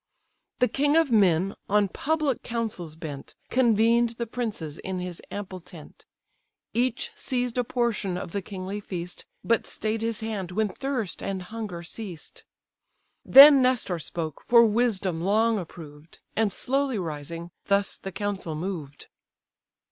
The king of men, on public counsels bent, Convened the princes in his ample tent, Each seized a portion of the kingly feast, But stay'd his hand when thirst and hunger ceased. Then Nestor spoke, for wisdom long approved, And slowly rising, thus the council moved.